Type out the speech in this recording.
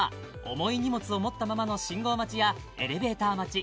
重い荷物を持ったままの信号待ちやエレベーター待ち